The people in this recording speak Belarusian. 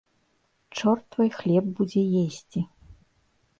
Чорт твой хлеб будзе есці!